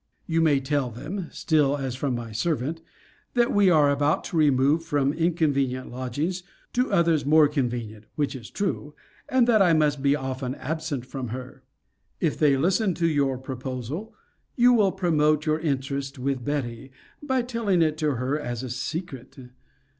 You may tell them, (still as from my servant,) that we are about to remove from inconvenient lodgings to others more convenient, (which is true,) and that I must be often absent from her. If they listen to your proposal, you will promote your interest with Betty, by telling it to her as a secret.